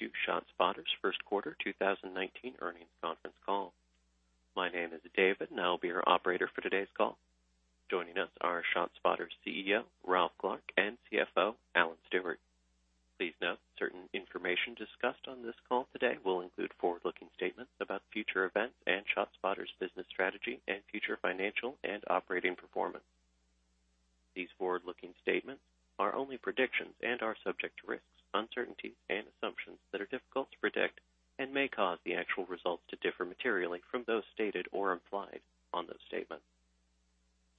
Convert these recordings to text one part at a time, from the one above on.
Welcome to ShotSpotter's first quarter 2019 earnings conference call. My name is David, and I'll be your operator for today's call. Joining us are ShotSpotter's CEO, Ralph Clark, and CFO, Alan Stewart. Please note, certain information discussed on this call today will include forward-looking statements about future events and ShotSpotter's business strategy and future financial and operating performance. These forward-looking statements are only predictions and are subject to risks, uncertainties, and assumptions that are difficult to predict and may cause the actual results to differ materially from those stated or implied on those statements.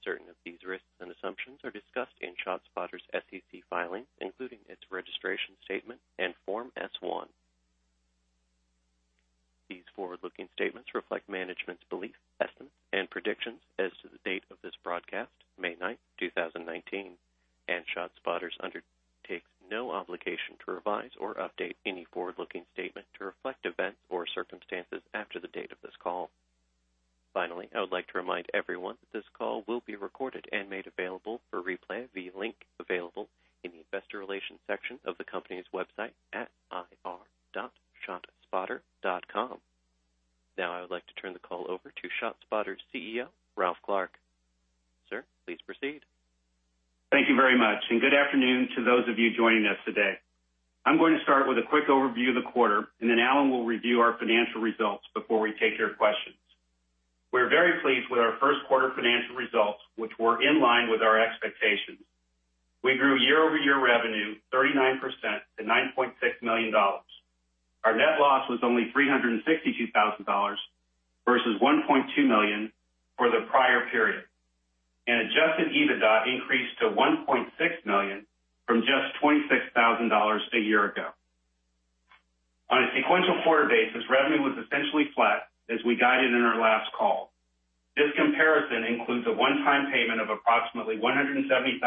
Certain of these risks and assumptions are discussed in ShotSpotter's SEC filings, including its registration statement and Form S-1. These forward-looking statements reflect management's belief, estimates, and predictions as to the date of this broadcast, May 9th, 2019. ShotSpotter undertakes no obligation to revise or update any forward-looking statement to reflect events or circumstances after the date of this call. Finally, I would like to remind everyone that this call will be recorded and made available for replay via link available in the investor relations section of the company's website at ir.shotspotter.com. I would like to turn the call over to ShotSpotter's CEO, Ralph Clark. Sir, please proceed. Thank you very much, and good afternoon to those of you joining us today. I'm going to start with a quick overview of the quarter, and then Alan will review our financial results before we take your questions. We're very pleased with our first quarter financial results, which were in line with our expectations. We grew year-over-year revenue 39% to $9.6 million. Our net loss was only $362,000 versus $1.2 million for the prior period. Adjusted EBITDA increased to $1.6 million from just $26,000 a year ago. On a sequential quarter basis, revenue was essentially flat as we guided in our last call. This comparison includes a one-time payment of approximately $170,000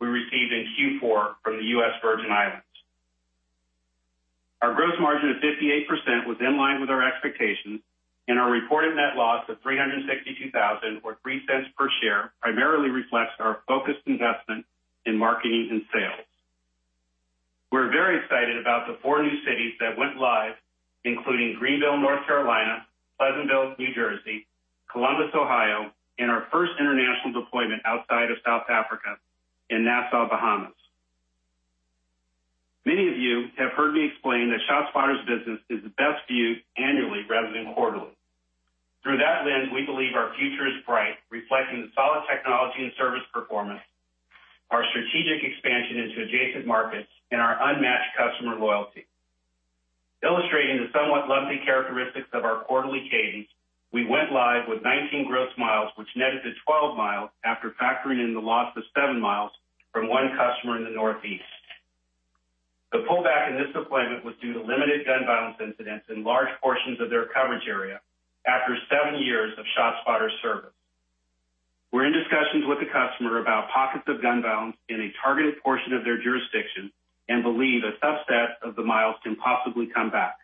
we received in Q4 from the U.S. Virgin Islands. Our gross margin of 58% was in line with our expectations. Our reported net loss of $362,000 or $0.03 per share primarily reflects our focused investment in marketing and sales. We're very excited about the four new cities that went live, including Greenville, North Carolina, Pleasantville, New Jersey, Columbus, Ohio, and our first international deployment outside of South Africa in Nassau, Bahamas. Many of you have heard me explain that ShotSpotter's business is best viewed annually rather than quarterly. Through that lens, we believe our future is bright, reflecting the solid technology and service performance, our strategic expansion into adjacent markets, and our unmatched customer loyalty. Illustrating the somewhat lumpy characteristics of our quarterly cadence, we went live with 19 gross miles, which netted to 12 miles after factoring in the loss of seven miles from one customer in the Northeast. The pullback in this deployment was due to limited gun violence incidents in large portions of their coverage area after seven years of ShotSpotter service. We're in discussions with the customer about pockets of gun violence in a targeted portion of their jurisdiction and believe a subset of the miles can possibly come back.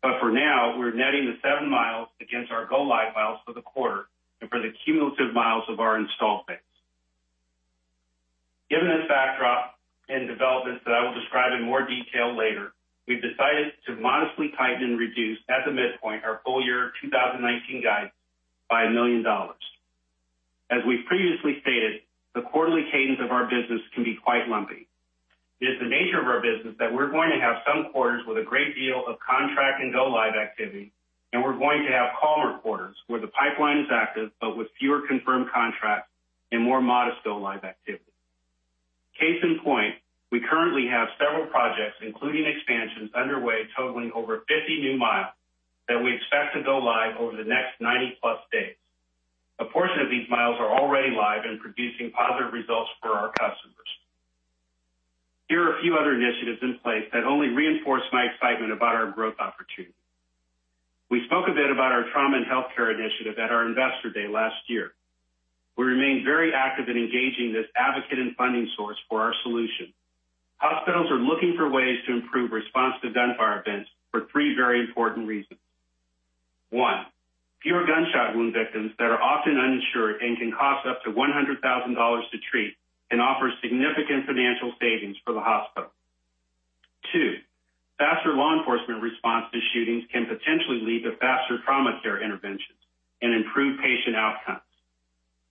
For now, we're netting the seven miles against our go live miles for the quarter and for the cumulative miles of our install base. Given this backdrop and developments that I will describe in more detail later, we've decided to modestly tighten and reduce at the midpoint our full year 2019 guidance by $1 million. As we've previously stated, the quarterly cadence of our business can be quite lumpy. It is the nature of our business that we're going to have some quarters with a great deal of contract and go live activity, and we're going to have calmer quarters where the pipeline is active, but with fewer confirmed contracts and more modest go live activity. Case in point, we currently have several projects, including expansions underway totaling over 50 new miles that we expect to go live over the next 90-plus days. A portion of these miles are already live and producing positive results for our customers. Here are a few other initiatives in place that only reinforce my excitement about our growth opportunity. We spoke a bit about our trauma and healthcare initiative at our investor day last year. We remain very active in engaging this advocate and funding source for our solution. Hospitals are looking for ways to improve response to gunfire events for three very important reasons. One, fewer gunshot wound victims that are often uninsured and can cost up to $100,000 to treat and offer significant financial savings for the hospital. Two, faster law enforcement response to shootings can potentially lead to faster trauma care interventions and improve patient outcomes.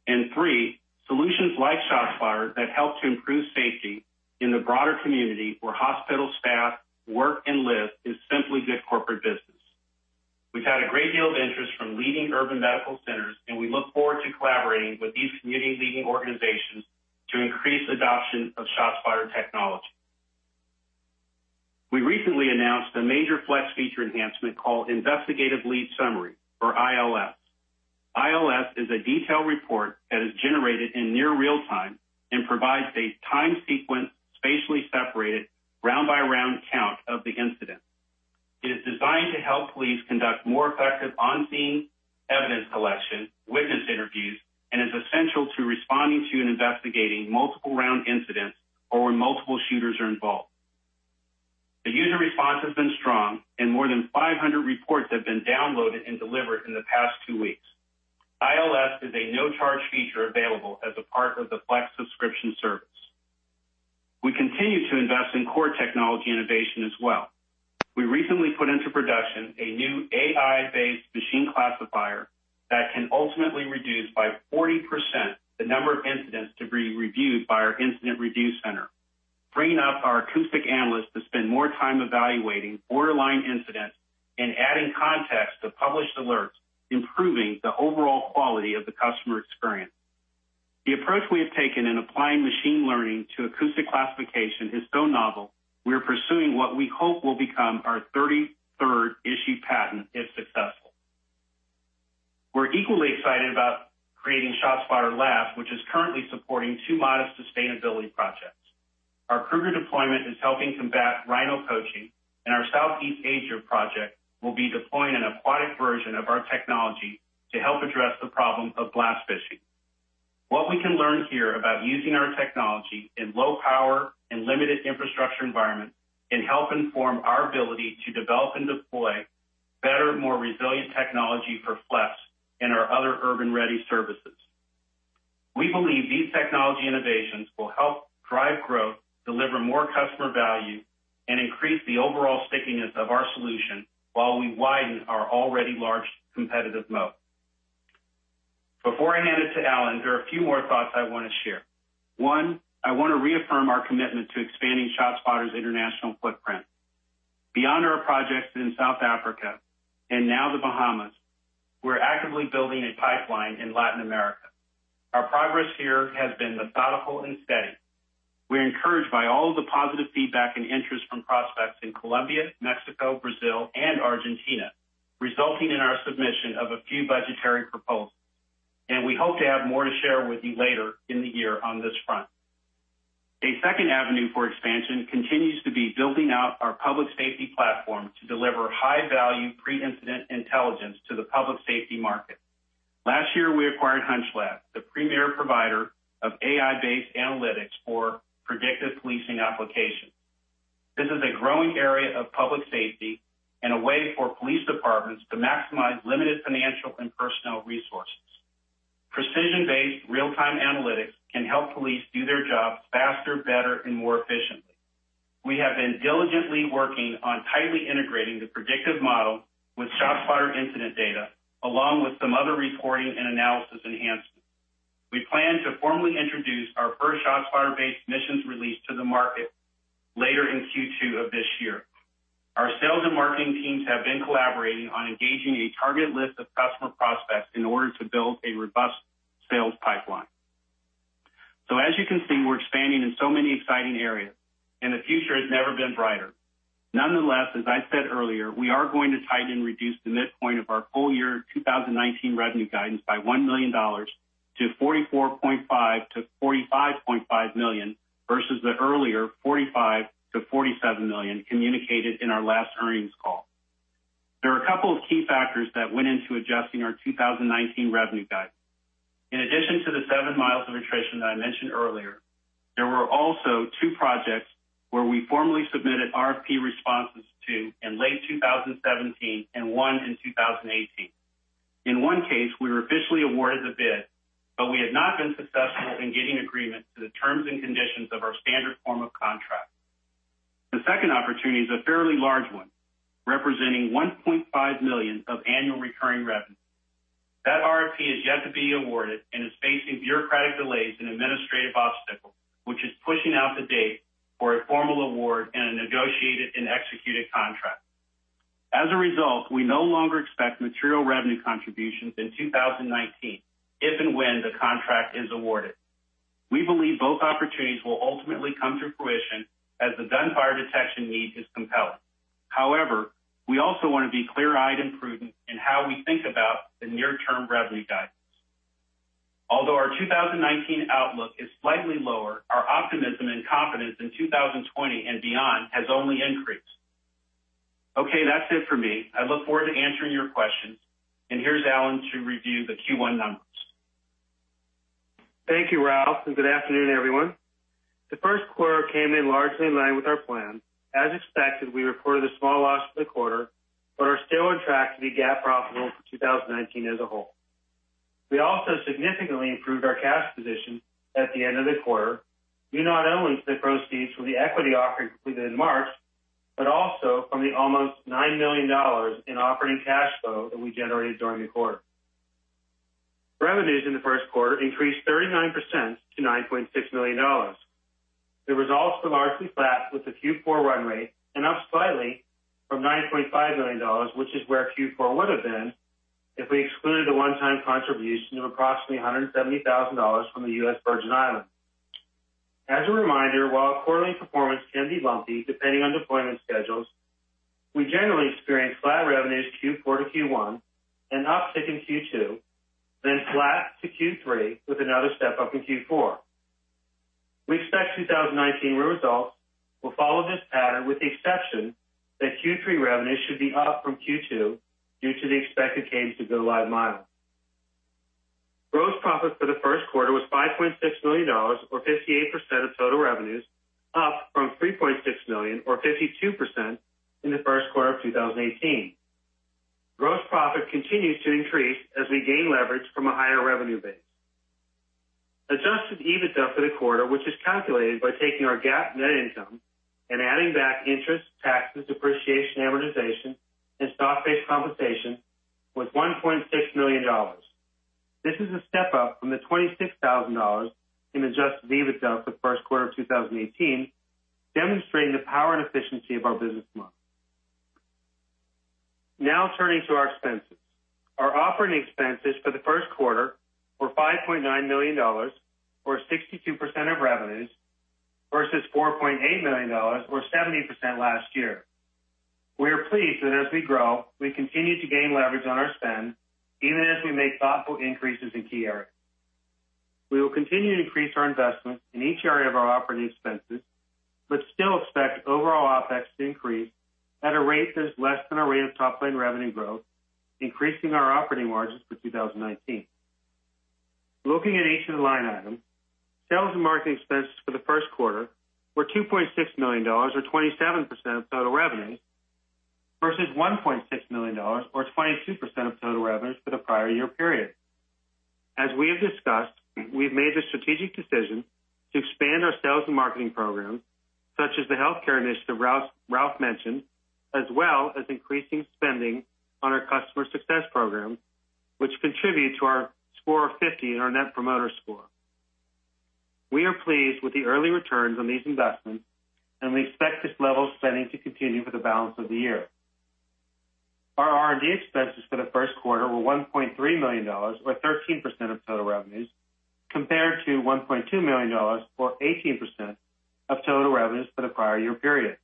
And three, solutions like ShotSpotter that help to improve safety in the broader community where hospital staff work and live is simply good corporate business. We've had a great deal of interest from leading urban medical centers, and we look forward to collaborating with these community leading organizations to increase adoption of ShotSpotter technology. We recently announced a major Flex feature enhancement called Investigative Lead Summary or ILS. ILS is a detailed report that is generated in near real time and provides a time sequence, spatially separated round-by-round count of the incident. It is designed to help police conduct more effective on-scene evidence collection, witness interviews, and is essential to responding to and investigating multiple round incidents or when multiple shooters are involved. The user response has been strong, and more than 500 reports have been downloaded and delivered in the past two weeks. It is a no-charge feature available as a part of the Flex subscription service. We continue to invest in core technology innovation as well. We recently put into production a new AI-based machine classifier that can ultimately reduce by 40% the number of incidents to be reviewed by our incident review center, freeing up our acoustic analysts to spend more time evaluating borderline incidents and adding context to published alerts, improving the overall quality of the customer experience. The approach we have taken in applying machine learning to acoustic classification is so novel, we are pursuing what we hope will become our 33rd issued patent if successful. We're equally excited about creating ShotSpotter Labs, which is currently supporting two modest sustainability projects. Our Kruger deployment is helping combat rhino poaching, and our Southeast Asia project will be deploying an aquatic version of our technology to help address the problem of blast fishing. What we can learn here about using our technology in low-power and limited infrastructure environments can help inform our ability to develop and deploy better, more resilient technology for Flex and our other urban-ready services. We believe these technology innovations will help drive growth, deliver more customer value, and increase the overall stickiness of our solution while we widen our already large competitive moat. Before I hand it to Alan, there are a few more thoughts I want to share. One, I want to reaffirm our commitment to expanding ShotSpotter's international footprint. Beyond our projects in South Africa and now the Bahamas, we're actively building a pipeline in Latin America. Our progress here has been methodical and steady. We're encouraged by all the positive feedback and interest from prospects in Colombia, Mexico, Brazil, and Argentina, resulting in our submission of a few budgetary proposals. We hope to have more to share with you later in the year on this front. A second avenue for expansion continues to be building out our public safety platform to deliver high-value pre-incident intelligence to the public safety market. Last year, we acquired HunchLab, the premier provider of AI-based analytics for predictive policing applications. This is a growing area of public safety and a way for police departments to maximize limited financial and personnel resources. Precision-based real-time analytics can help police do their jobs faster, better, and more efficiently. We have been diligently working on tightly integrating the predictive model with ShotSpotter incident data, along with some other reporting and analysis enhancements. We plan to formally introduce our first ShotSpotter-based missions release to the market later in Q2 of this year. Our sales and marketing teams have been collaborating on engaging a target list of customer prospects in order to build a robust sales pipeline. As you can see, we're expanding in so many exciting areas, and the future has never been brighter. Nonetheless, as I said earlier, we are going to tighten and reduce the midpoint of our full year 2019 revenue guidance by $1 million to $44.5 million-$45.5 million, versus the earlier $45 million-$47 million communicated in our last earnings call. There are a couple of key factors that went into adjusting our 2019 revenue guidance. In addition to the seven miles of attrition that I mentioned earlier, there were also two projects where we formally submitted RFP responses to in late 2017 and one in 2018. In one case, we were officially awarded the bid, but we had not been successful in getting agreement to the terms and conditions of our standard form of contract. The second opportunity is a fairly large one, representing $1.5 million of annual recurring revenue. That RFP has yet to be awarded and is facing bureaucratic delays and administrative obstacles, which is pushing out the date for a formal award and a negotiated and executed contract. As a result, we no longer expect material revenue contributions in 2019 if and when the contract is awarded. We believe both opportunities will ultimately come to fruition as the gunfire detection need is compelling. However, we also want to be clear-eyed and prudent in how we think about the near-term revenue guidance. Although our 2019 outlook is slightly lower, our optimism and confidence in 2020 and beyond has only increased. Okay, that's it for me. I look forward to answering your questions. Here's Alan to review the Q1 numbers. Thank you, Ralph. Good afternoon, everyone. The first quarter came in largely in line with our plan. As expected, we reported a small loss for the quarter, but are still on track to be GAAP profitable for 2019 as a whole. We also significantly improved our cash position at the end of the quarter due not only to the proceeds from the equity offering completed in March, but also from the almost $9 million in operating cash flow that we generated during the quarter. Revenues in the first quarter increased 39% to $9.6 million. The results were largely flat with the Q4 run rate and up slightly from $9.5 million, which is where Q4 would have been if we excluded a one-time contribution of approximately $170,000 from the U.S. Virgin Islands. As a reminder, while quarterly performance can be lumpy depending on deployment schedules, we generally experience flat revenues Q4 to Q1, an uptick in Q2, then flat to Q3 with another step-up in Q4. We expect 2019 results will follow this pattern with the exception that Q3 revenues should be up from Q2 due to the expected gains of go live miles. Gross profit for the first quarter was $5.6 million, or 58% of total revenues, up from $3.6 million, or 52%, in the first quarter of 2018. Gross profit continues to increase as we gain leverage from a higher revenue base. Adjusted EBITDA for the quarter, which is calculated by taking our GAAP net income and adding back interest, taxes, depreciation, amortization, and stock-based compensation, was $1.6 million. This is a step up from the $26,000 in adjusted EBITDA for the first quarter of 2018, demonstrating the power and efficiency of our business model. Turning to our expenses, our operating expenses for the first quarter were $5.9 million, or 62% of revenues, versus $4.8 million, or 70%, last year. We are pleased that as we grow, we continue to gain leverage on our spend even as we make thoughtful increases in key areas. We will continue to increase our investment in each area of our operating expenses, but still expect overall OpEx to increase at a rate that is less than our rate of top-line revenue growth, increasing our operating margins for 2019. Looking at each line item, sales and marketing expenses for the first quarter were $2.6 million, or 27% of total revenues, versus $1.6 million, or 22% of total revenues for the prior year period. We have discussed, we've made the strategic decision to expand our sales and marketing programs, such as the healthcare initiative Ralph mentioned, as well as increasing spending on our customer success program, which contribute to our score of 50 in our Net Promoter Score. We are pleased with the early returns on these investments. We expect this level of spending to continue for the balance of the year. Our R&D expenses for the first quarter were $1.3 million, or 13% of total revenues, compared to $1.2 million, or 18% of total revenues for the prior year period.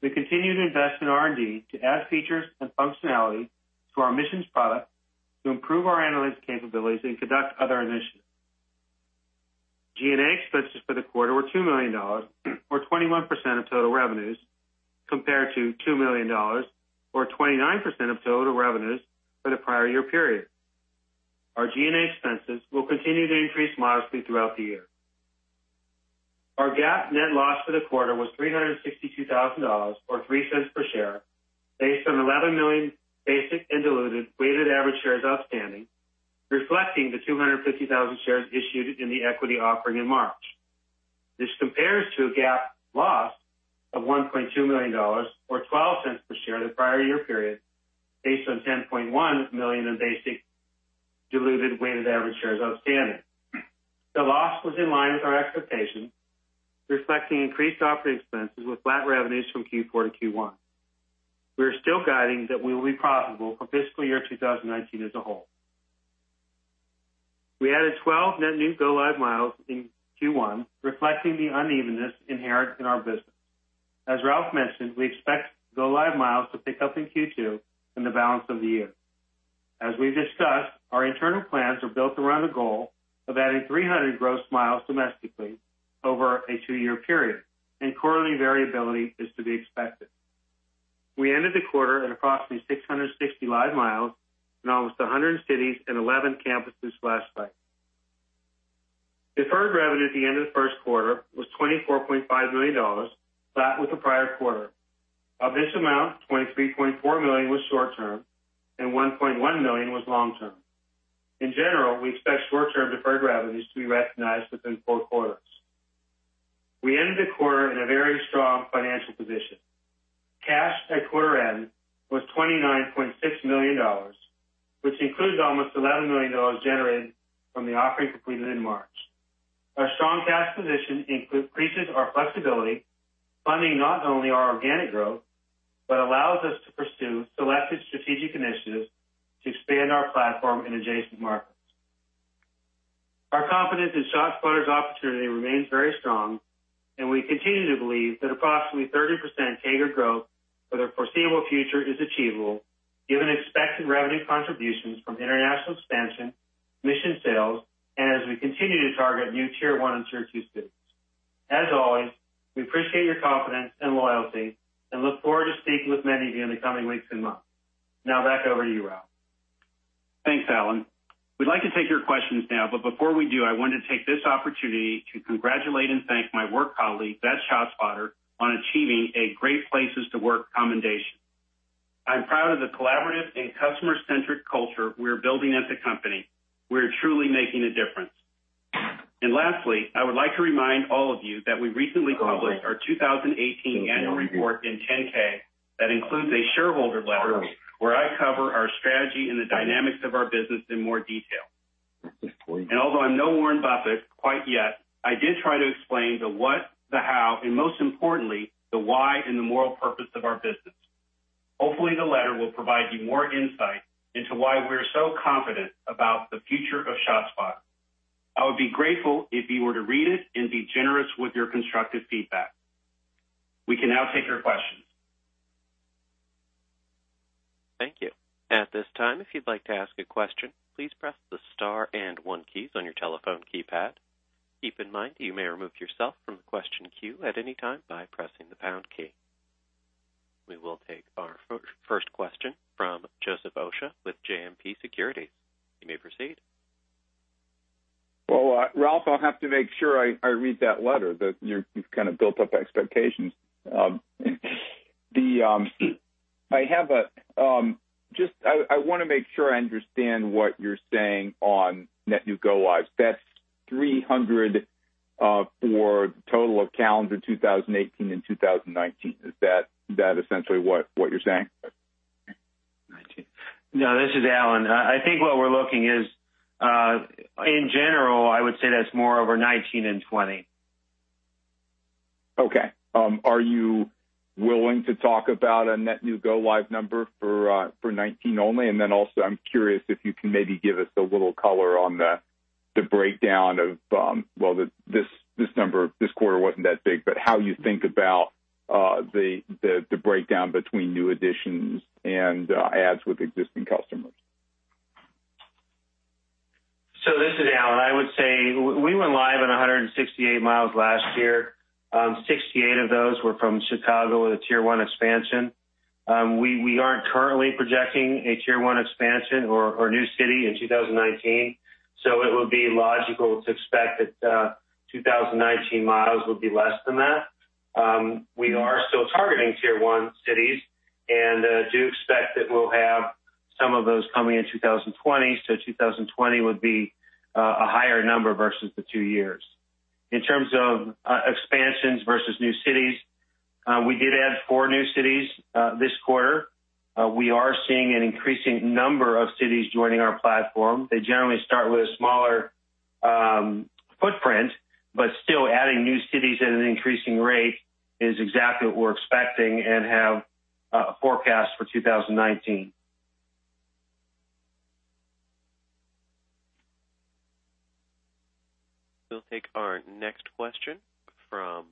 We continue to invest in R&D to add features and functionality to our ShotSpotter Missions product to improve our analytics capabilities and conduct other initiatives. G&A expenses for the quarter were $2 million, or 21% of total revenues, compared to $2 million, or 29% of total revenues, for the prior year period. Our G&A expenses will continue to increase modestly throughout the year. Our GAAP net loss for the quarter was $362,000, or $0.03 per share, based on 11 million basic and diluted weighted average shares outstanding, reflecting the 250,000 shares issued in the equity offering in March. This compares to a GAAP loss of $1.2 million, or $0.12 per share, in the prior year period, based on 10.1 million in basic diluted weighted average shares outstanding. The loss was in line with our expectations, reflecting increased operating expenses with flat revenues from Q4 to Q1. We are still guiding that we will be profitable for fiscal year 2019 as a whole. We added 12 net new go-live miles in Q1, reflecting the unevenness inherent in our business. Ralph mentioned, we expect go-live miles to pick up in Q2 and the balance of the year. We've discussed, our internal plans are built around a goal of adding 300 gross miles domestically over a two-year period. Quarterly variability is to be expected. We ended the quarter at approximately 660 live miles in almost 100 cities and 11 campuses/sites. Deferred revenue at the end of the first quarter was $24.5 million, flat with the prior quarter. Of this amount, $23.4 million was short-term and $1.1 million was long-term. In general, we expect short-term deferred revenues to be recognized within four quarters. We ended the quarter in a very strong financial position. Cash at quarter end was $29.6 million, which includes almost $11 million generated from the offering completed in March. Our strong cash position increases our flexibility, funding not only our organic growth, but allows us to pursue selected strategic initiatives to expand our platform in adjacent markets. Our confidence in ShotSpotter's opportunity remains very strong. We continue to believe that approximately 30% CAGR growth for the foreseeable future is achievable given expected revenue contributions from international expansion, Mission sales, and as we continue to target new tier 1 and tier 2 cities. As always, we appreciate your confidence and loyalty and look forward to speaking with many of you in the coming weeks and months. Now back over to you, Ralph. Thanks, Alan. We'd like to take your questions now, but before we do, I want to take this opportunity to congratulate and thank my work colleagues at ShotSpotter on achieving a Great Place to Work commendation. I'm proud of the collaborative and customer-centric culture we're building as a company. We're truly making a difference. Lastly, I would like to remind all of you that we recently published our 2018 annual report and 10-K that includes a shareholder letter where I cover our strategy and the dynamics of our business in more detail. Although I'm no Warren Buffett quite yet, I did try to explain the what, the how, and most importantly, the why and the moral purpose of our business. Hopefully, the letter will provide you more insight into why we're so confident about the future of ShotSpotter. I would be grateful if you were to read it and be generous with your constructive feedback. We can now take your questions. Thank you. At this time, if you'd like to ask a question, please press the star and 1 keys on your telephone keypad. Keep in mind, you may remove yourself from the question queue at any time by pressing the pound key. We will take our first question from Joseph Osha with JMP Securities. You may proceed. Well, Ralph, I'll have to make sure I read that letter. You've kind of built up expectations. I want to make sure I understand what you're saying on net new go-lives. That's 300 for the total of calendar 2018 and 2019. Is that essentially what you're saying? 2019. No, this is Alan. I think what we're looking is, in general, I would say that's more over 2019 and 2020. Okay. Are you willing to talk about a net new go-live number for 2019 only? Also, I'm curious if you can maybe give us a little color on the breakdown of, well, this number, this quarter wasn't that big, but how you think about the breakdown between new additions and adds with existing customers. This is Alan. I would say we went live on 168 miles last year. 68 of those were from Chicago with a Tier 1 expansion. We aren't currently projecting a Tier 1 expansion or new city in 2019. It would be logical to expect that 2019 miles will be less than that. We are still targeting Tier 1 cities and do expect that we'll have some of those coming in 2020. 2020 would be a higher number versus the two years. In terms of expansions versus new cities, we did add four new cities this quarter. We are seeing an increasing number of cities joining our platform. They generally start with a smaller footprint, but still adding new cities at an increasing rate is exactly what we're expecting and have forecast for 2019. We'll take our next question from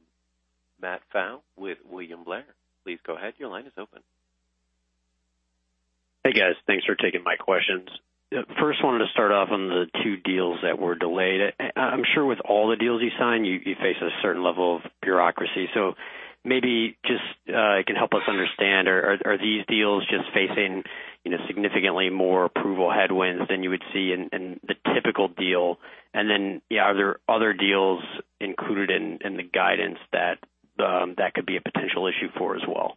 Matt Pfau with William Blair. Please go ahead. Your line is open. Hey, guys. Thanks for taking my questions. First, wanted to start off on the two deals that were delayed. I'm sure with all the deals you sign, you face a certain level of bureaucracy, so maybe just can help us understand, are these deals just facing significantly more approval headwinds than you would see in the typical deal? Are there other deals included in the guidance that could be a potential issue for as well?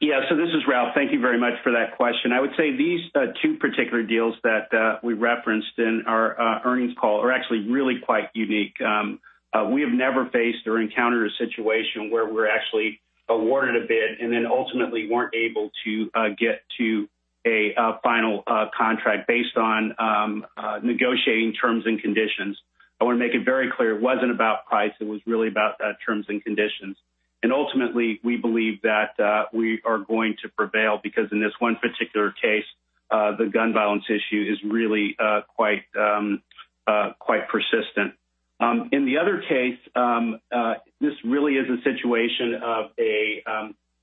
Yeah. This is Ralph. Thank you very much for that question. I would say these two particular deals that we referenced in our earnings call are actually really quite unique. We have never faced or encountered a situation where we're actually awarded a bid and then ultimately weren't able to get to a final contract based on negotiating terms and conditions. I want to make it very clear it wasn't about price. It was really about terms and conditions. Ultimately, we believe that we are going to prevail because in this one particular case, the gun violence issue is really quite persistent. In the other case, this really is a situation of a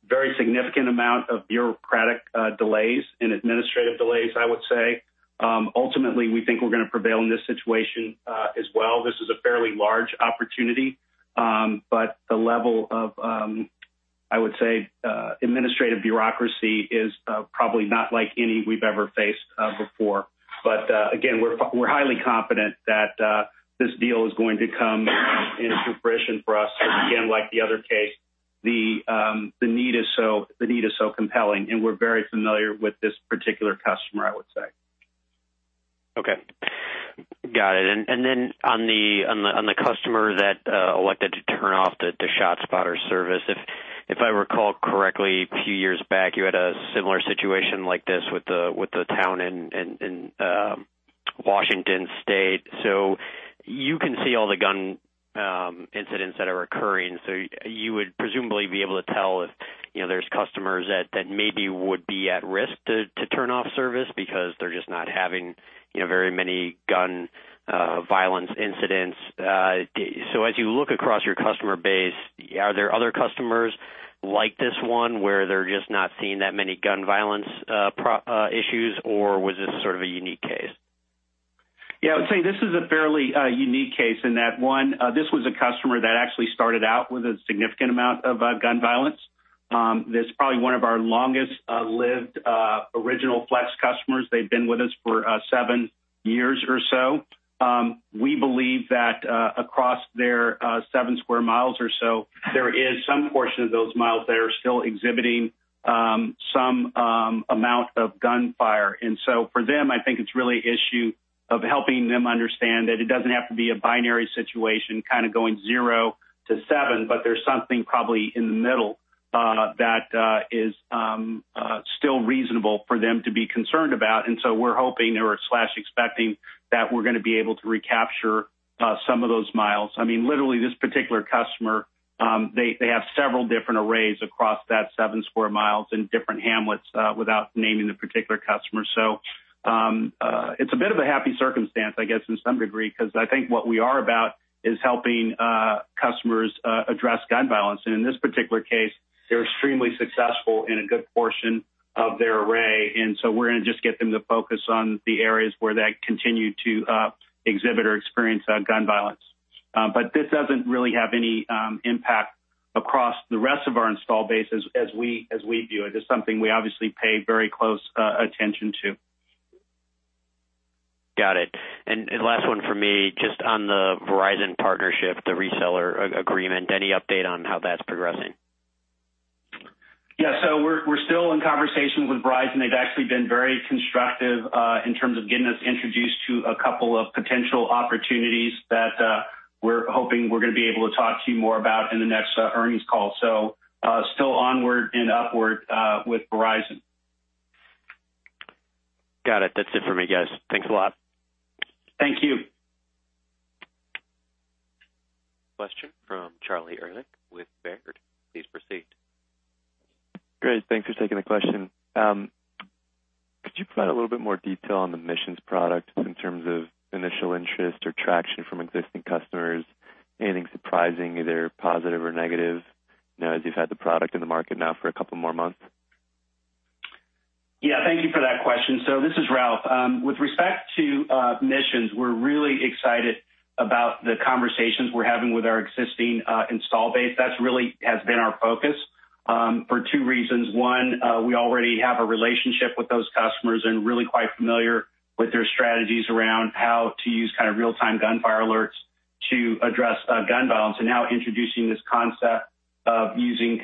very significant amount of bureaucratic delays and administrative delays, I would say. Ultimately, we think we're going to prevail in this situation as well. This is a fairly large opportunity. The level of, I would say administrative bureaucracy is probably not like any we've ever faced before. Again, we're highly confident that this deal is going to come into fruition for us. Again, like the other case, the need is so compelling, and we're very familiar with this particular customer, I would say. On the customer that elected to turn off the ShotSpotter service, if I recall correctly, a few years back, you had a similar situation like this with the town in Washington State. You can see all the gun incidents that are occurring. You would presumably be able to tell if there's customers that maybe would be at risk to turn off service because they're just not having very many gun violence incidents. As you look across your customer base, are there other customers like this one where they're just not seeing that many gun violence issues, or was this sort of a unique case? Yeah, I would say this is a fairly unique case in that one, this was a customer that actually started out with a significant amount of gun violence. This is probably one of our longest-lived original Flex customers. They've been with us for seven years or so. We believe that across their seven square miles or so, there is some portion of those miles that are still exhibiting some amount of gunfire. For them, I think it's really an issue of helping them understand that it doesn't have to be a binary situation, kind of going zero to seven, but there's something probably in the middle that is still reasonable for them to be concerned about. We're hoping or slash expecting that we're going to be able to recapture some of those miles. Literally this particular customer, they have several different arrays across that seven square miles in different hamlets without naming the particular customer. It's a bit of a happy circumstance, I guess, in some degree, because I think what we are about is helping customers address gun violence. In this particular case, they're extremely successful in a good portion of their array, we're going to just get them to focus on the areas where they continue to exhibit or experience gun violence. This doesn't really have any impact Across the rest of our install base as we view it, is something we obviously pay very close attention to. Got it. Last one from me, just on the Verizon partnership, the reseller agreement, any update on how that's progressing? Yeah. We're still in conversations with Verizon. They've actually been very constructive in terms of getting us introduced to a couple of potential opportunities that we're hoping we're going to be able to talk to you more about in the next earnings call. Still onward and upward with Verizon. Got it. That's it for me, guys. Thanks a lot. Thank you. Question from Charlie Erlikh with Baird. Please proceed. Great. Thanks for taking the question. Could you provide a little bit more detail on the Missions product in terms of initial interest or traction from existing customers? Anything surprising, either positive or negative, now as you've had the product in the market now for a couple more months? Thank you for that question. This is Ralph. With respect to Missions, we're really excited about the conversations we're having with our existing install base. That really has been our focus for two reasons. One, we already have a relationship with those customers and really quite familiar with their strategies around how to use real-time gunfire alerts to address gun violence, now introducing this concept of using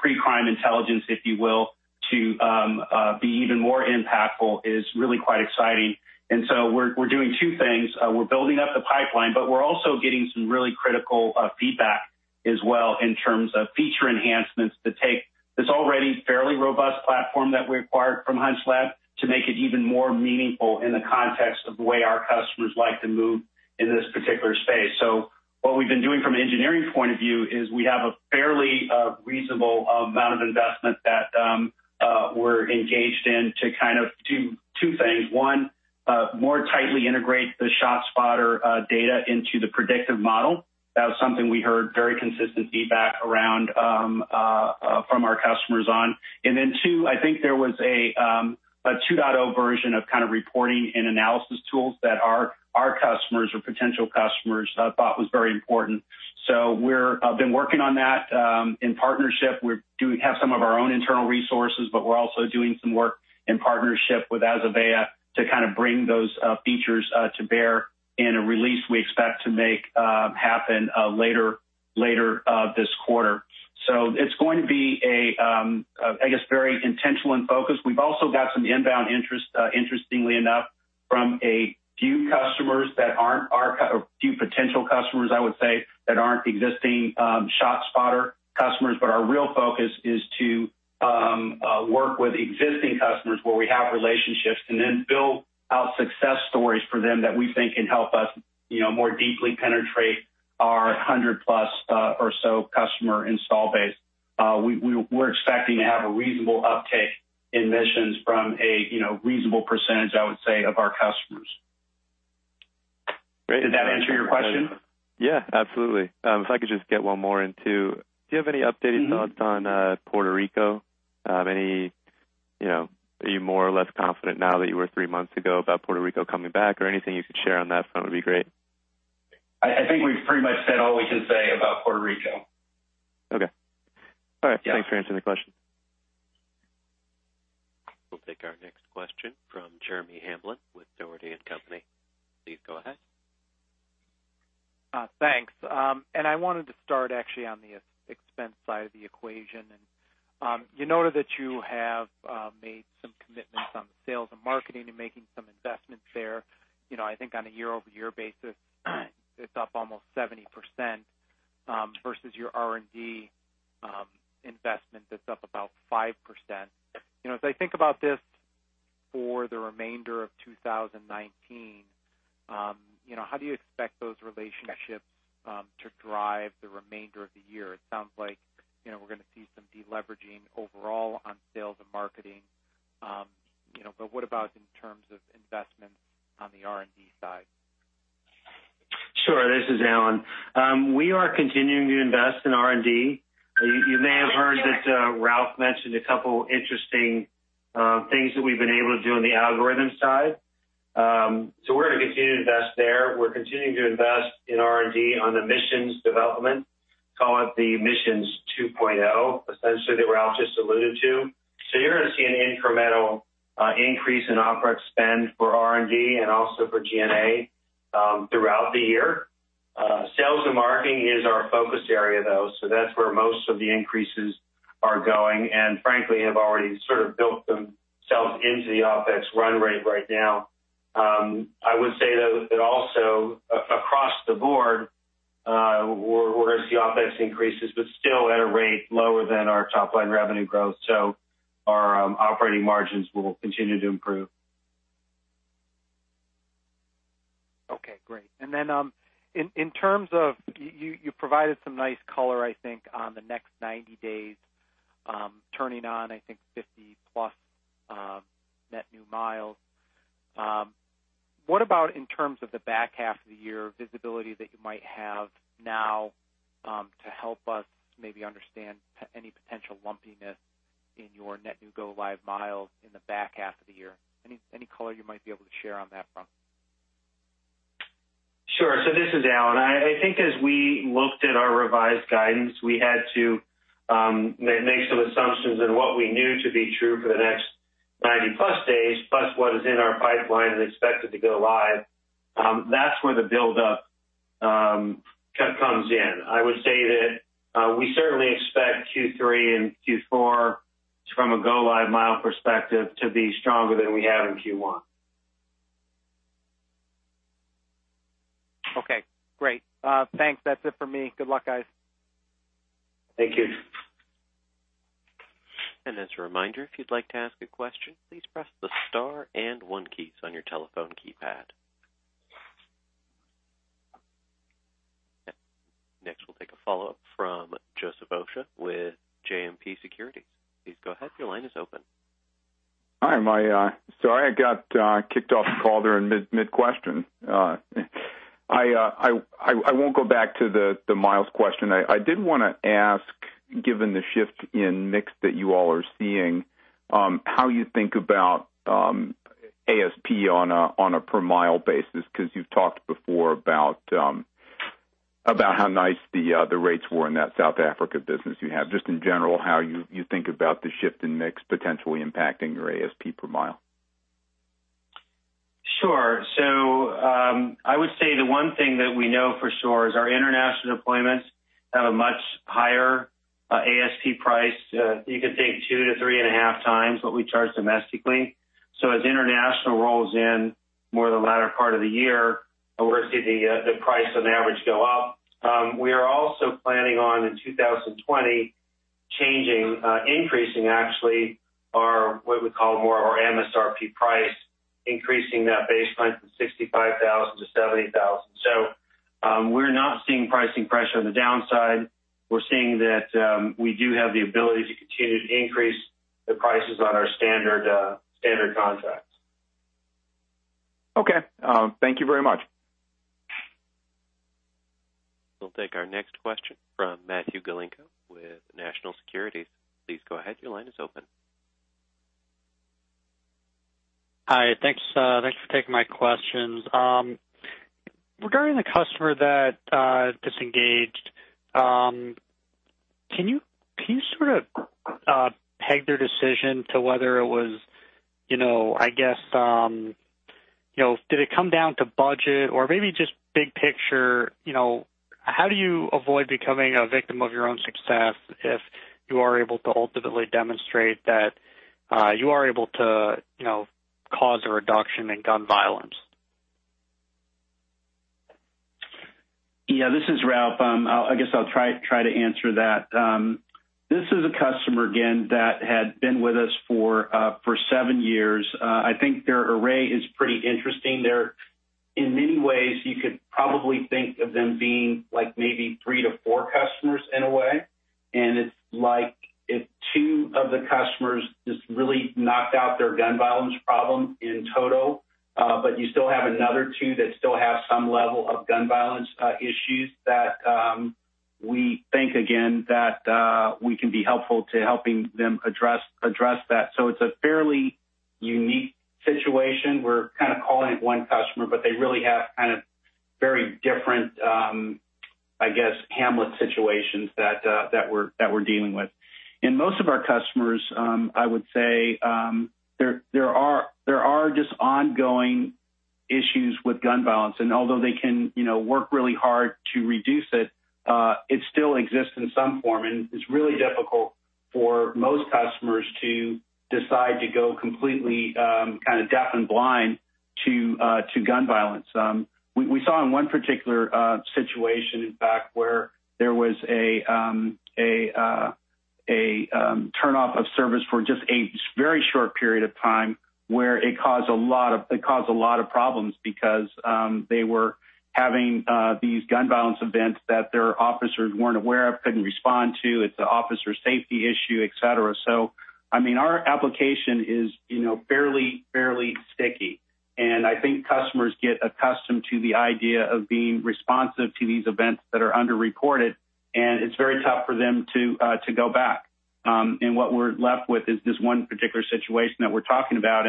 pre-crime intelligence, if you will, to be even more impactful is really quite exciting. We're doing two things. We're building up the pipeline, but we're also getting some really critical feedback as well in terms of feature enhancements to take this already fairly robust platform that we acquired from HunchLab to make it even more meaningful in the context of the way our customers like to move in this particular space. What we've been doing from an engineering point of view is we have a fairly reasonable amount of investment that we're engaged in to do two things. One, more tightly integrate the ShotSpotter data into the predictive model. That was something we heard very consistent feedback around from our customers on. Two, I think there was a 2.0 version of reporting and analysis tools that our customers or potential customers thought was very important. We've been working on that in partnership. We have some of our own internal resources, but we're also doing some work in partnership with Azavea to bring those features to bear in a release we expect to make happen later this quarter. It's going to be very intentional and focused. We've also got some inbound interest, interestingly enough, from a few potential customers, I would say, that aren't existing ShotSpotter customers. Our real focus is to work with existing customers where we have relationships and then build out success stories for them that we think can help us more deeply penetrate our 100 plus or so customer install base. We're expecting to have a reasonable uptake in Missions from a reasonable percentage, I would say, of our customers. Great. Did that answer your question? Yeah, absolutely. If I could just get one more in too. Do you have any updated thoughts on Puerto Rico? Are you more or less confident now than you were three months ago about Puerto Rico coming back? Anything you could share on that front would be great. I think we've pretty much said all we can say about Puerto Rico. Okay. All right. Yeah. Thanks for answering the question. We'll take our next question from Jeremy Hamblin with Dougherty & Company. Please go ahead. Thanks. I wanted to start actually on the expense side of the equation. You noted that you have made some commitments on the sales and marketing and making some investments there. I think on a year-over-year basis, it's up almost 70%, versus your R&D investment that's up about 5%. As I think about this for the remainder of 2019, how do you expect those relationships to drive the remainder of the year? It sounds like we're going to see some de-leveraging overall on sales and marketing. What about in terms of investments on the R&D side? Sure. This is Alan. We are continuing to invest in R&D. You may have heard that Ralph mentioned a couple interesting things that we've been able to do on the algorithm side. We're going to continue to invest there. We're continuing to invest in R&D on the Missions development, call it the Missions 2.0, essentially, that Ralph just alluded to. You're going to see an incremental increase in OpEx spend for R&D and also for G&A throughout the year. Sales and marketing is our focus area, though, that's where most of the increases are going and frankly, have already sort of built themselves into the OpEx run rate right now. I would say, though, that also across the board, we're going to see OpEx increases, but still at a rate lower than our top-line revenue growth. Our operating margins will continue to improve. Okay, great. In terms of, you provided some nice color, I think, on the next 90 days, turning on, I think, 50 plus net new miles. What about in terms of the back half of the year, visibility that you might have now to help us maybe understand any potential lumpiness in your net new go live miles in the back half of the year? Any color you might be able to share on that front? Sure. This is Alan. I think as we looked at our revised guidance, we had to make some assumptions on what we knew to be true for the next 90-plus days, plus what is in our pipeline and expected to go live. That's where the buildup comes in. I would say that we certainly expect Q3 and Q4 from a go live mile perspective to be stronger than we have in Q1. Okay, great. Thanks. That's it for me. Good luck, guys. Thank you. As a reminder, if you'd like to ask a question, please press the star and one keys on your telephone keypad. Next, we'll take a follow-up from Joseph Osha with JMP Securities. Please go ahead. Your line is open. Hi. Sorry, I got kicked off the call there in mid-question. I won't go back to the miles question. I did want to ask, given the shift in mix that you all are seeing, how you think about ASP on a per mile basis, because you've talked before about how nice the rates were in that South Africa business you have. Just in general, how you think about the shift in mix potentially impacting your ASP per mile. Sure. I would say the one thing that we know for sure is our international deployments have a much higher ASP price. You could think two to three and a half times what we charge domestically. As international rolls in more the latter part of the year, we're going to see the price on average go up. We are also planning on, in 2020, increasing, actually, what we call more our MSRP price, increasing that baseline from $65,000 to $70,000. We're not seeing pricing pressure on the downside. We're seeing that we do have the ability to continue to increase the prices on our standard contracts. Okay. Thank you very much. We'll take our next question from Matthew Goyenko with National Securities. Please go ahead. Your line is open. Hi. Thanks for taking my questions. Regarding the customer that disengaged, can you sort of peg their decision to whether it was, did it come down to budget or maybe just big picture, how do you avoid becoming a victim of your own success if you are able to ultimately demonstrate that you are able to cause a reduction in gun violence? This is Ralph. I guess I'll try to answer that. This is a customer, again, that had been with us for seven years. I think their array is pretty interesting. In many ways, you could probably think of them being maybe three to four customers in a way. It's like if two of the customers just really knocked out their gun violence problem in total, but you still have another two that still have some level of gun violence issues that we think, again, that we can be helpful to helping them address that. It's a fairly unique situation. We're kind of calling it one customer, but they really have very different Hamlet situations that we're dealing with. In most of our customers, I would say, there are just ongoing issues with gun violence. Although they can work really hard to reduce it still exists in some form, it's really difficult for most customers to decide to go completely deaf and blind to gun violence. We saw in one particular situation, in fact, where there was a turn-off of service for just a very short period of time, where it caused a lot of problems because they were having these gun violence events that their officers weren't aware of, couldn't respond to. It's an officer safety issue, et cetera. Our application is fairly sticky, I think customers get accustomed to the idea of being responsive to these events that are under-recorded, it's very tough for them to go back. What we're left with is this one particular situation that we're talking about,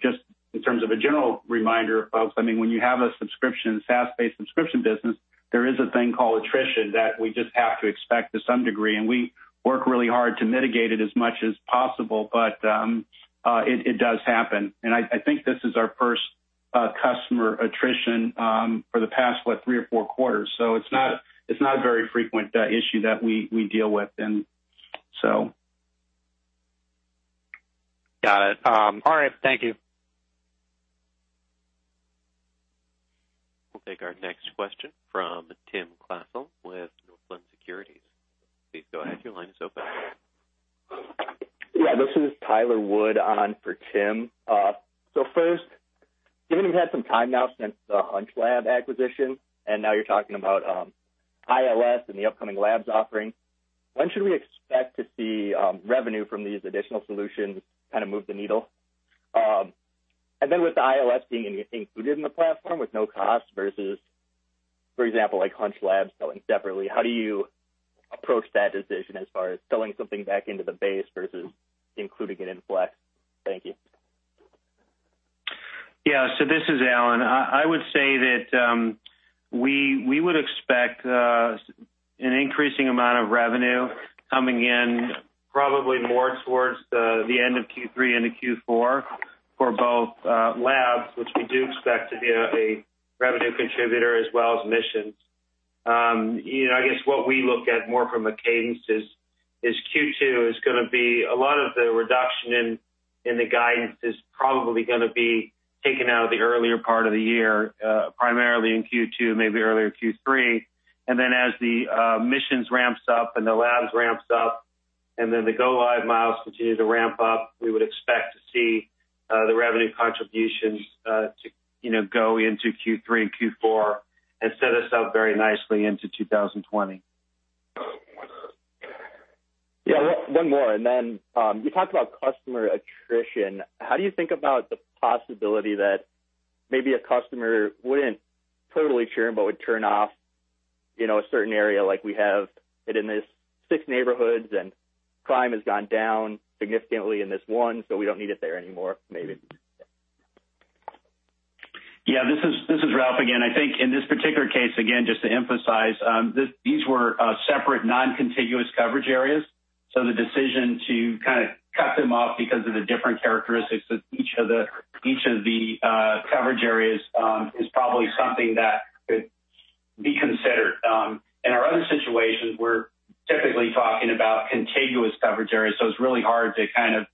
just in terms of a general reminder, folks, when you have a subscription, a SaaS-based subscription business, there is a thing called attrition that we just have to expect to some degree, we work really hard to mitigate it as much as possible, it does happen. I think this is our first customer attrition for the past, what, three or four quarters. It's not a very frequent issue that we deal with then. Got it. All right. Thank you. We'll take our next question from Tim Klasell with Northland Securities. Please go ahead. Your line is open. This is Tyler Wood on for Tim. First, given you've had some time now since the HunchLab acquisition, and now you're talking about ILS and the upcoming Labs offering, when should we expect to see revenue from these additional solutions kind of move the needle? Then with the ILS being included in the platform with no cost versus. For example, like HunchLab selling separately. How do you approach that decision as far as selling something back into the base versus including it in ShotSpotter Flex? Thank you. Yeah. This is Alan. I would say that we would expect an increasing amount of revenue coming in probably more towards the end of Q3 into Q4 for both Labs, which we do expect to be a revenue contributor as well as Missions. I guess what we look at more from a cadence is Q2 is going to be a lot of the reduction in the guidance is probably going to be taken out of the earlier part of the year, primarily in Q2, maybe earlier Q3. Then as the Missions ramps up and the Labs ramps up, then the go-live miles continue to ramp up, we would expect to see the revenue contributions to go into Q3 and Q4 and set us up very nicely into 2020. Yeah, one more. You talked about customer attrition. How do you think about the possibility that maybe a customer wouldn't totally churn but would turn off a certain area, like we have it in these six neighborhoods, and crime has gone down significantly in this one, so we don't need it there anymore maybe? Yeah, this is Ralph again. I think in this particular case, again, just to emphasize, these were separate non-contiguous coverage areas. The decision to kind of cut them off because of the different characteristics of each of the coverage areas is probably something that could be considered. In our other situations, we're typically talking about contiguous coverage areas, so it's really hard to kind of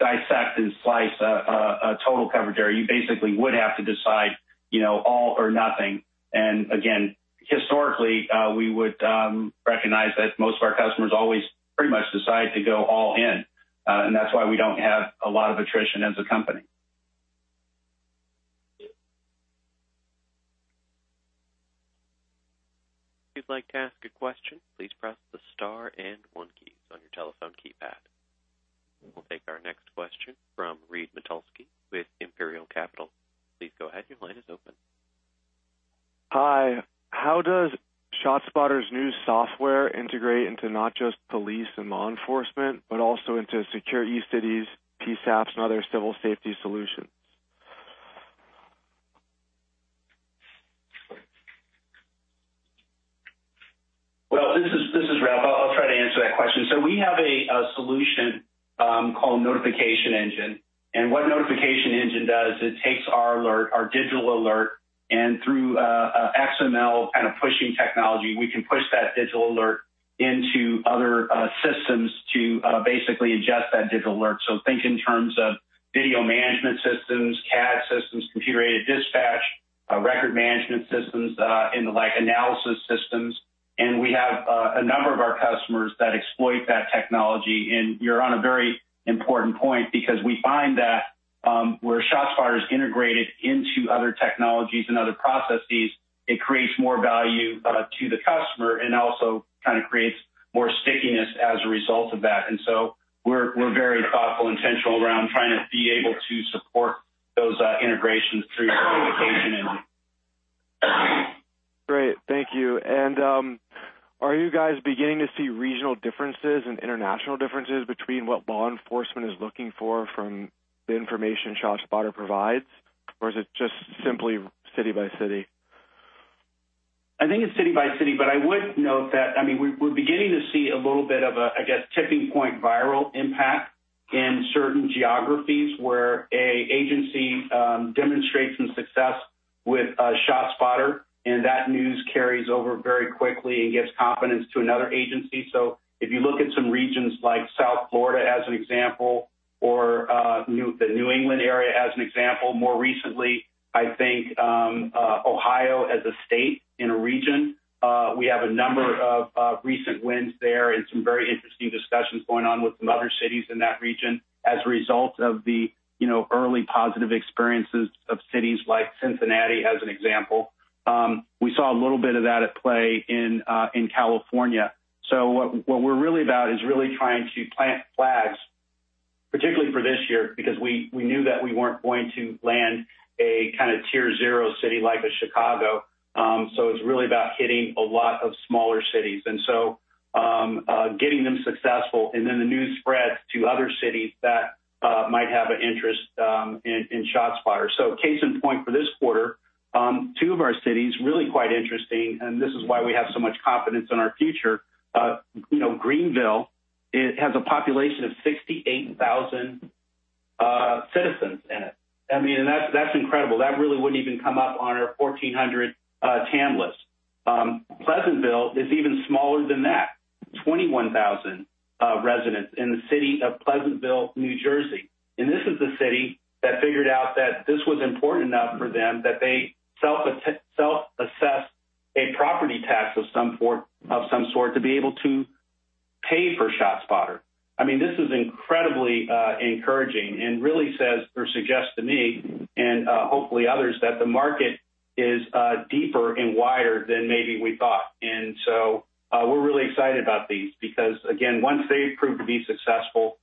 dissect and slice a total coverage area. You basically would have to decide all or nothing. Again, historically, we would recognize that most of our customers always pretty much decide to go all in. That's why we don't have a lot of attrition as a company. If you'd like to ask a question, please press the star and one keys on your telephone keypad. We'll take our next question from Jeff Kessler with Imperial Capital. Please go ahead. Your line is open. Hi. How does ShotSpotter's new software integrate into not just police and law enforcement, but also into Safe Cities, PSAPs, and other civil safety solutions? Well, this is Ralph. I'll try to answer that question. We have a solution called Notification Engine, and what Notification Engine does is it takes our alert, our digital alert, and through XML kind of pushing technology, we can push that digital alert into other systems to basically ingest that digital alert. Think in terms of video management systems, CAD systems, computer-aided dispatch, record management systems, and the like, analysis systems. We have a number of our customers that exploit that technology. You're on a very important point because we find that where ShotSpotter is integrated into other technologies and other processes, it creates more value to the customer and also kind of creates more stickiness as a result of that. We're very thoughtful, intentional around trying to be able to support those integrations through our Notification Engine. Great. Thank you. Are you guys beginning to see regional differences and international differences between what law enforcement is looking for from the information ShotSpotter provides? Is it just simply city by city? I think it's city by city, but I would note that we're beginning to see a little bit of a, I guess, tipping point viral impact in certain geographies where an agency demonstrates some success with ShotSpotter, and that news carries over very quickly and gives confidence to another agency. If you look at some regions like South Florida as an example, or the New England area as an example, more recently, I think Ohio as a state in a region. We have a number of recent wins there and some very interesting discussions going on with some other cities in that region as a result of the early positive experiences of cities like Cincinnati, as an example. We saw a little bit of that at play in California. What we're really about is really trying to plant flags, particularly for this year, because we knew that we weren't going to land a kind of tier 0 city like a Chicago. It's really about hitting a lot of smaller cities. Getting them successful, and then the news spreads to other cities that might have an interest in ShotSpotter. Case in point for this quarter, two of our cities, really quite interesting, and this is why we have so much confidence in our future. Greenville has a population of 68,000 citizens in it. That's incredible. That really wouldn't even come up on our 1,400 town list. Pleasantville is even smaller than that, 21,000 residents in the city of Pleasantville, New Jersey. This is a city that figured out that this was important enough for them that they self-assessed a property tax of some sort to be able to pay for ShotSpotter. This is incredibly encouraging and really says or suggests to me and hopefully others that the market is deeper and wider than maybe we thought. We're really excited about these because, again, once they prove to be successful,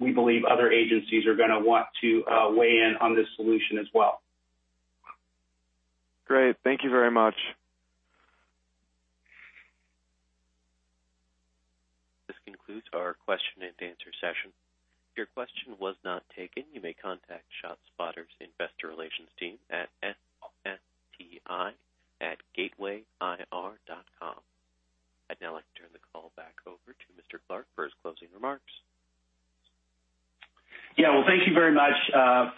we believe other agencies are going to want to weigh in on this solution as well. Great. Thank you very much. This concludes our question and answer session. If your question was not taken, you may contact ShotSpotter's investor relations team at ssti@gatewayir.com. I'd now like to turn the call back over to Mr. Clark for his closing remarks. Yeah. Well, thank you very much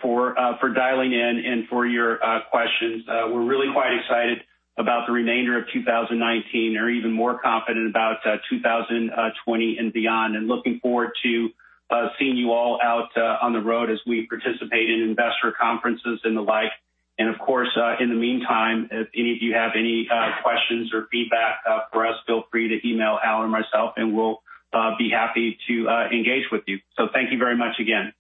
for dialing in and for your questions. We're really quite excited about the remainder of 2019 and even more confident about 2020 and beyond. Looking forward to seeing you all out on the road as we participate in investor conferences and the like. Of course, in the meantime, if any of you have any questions or feedback for us, feel free to email Alan or myself, and we'll be happy to engage with you. Thank you very much again.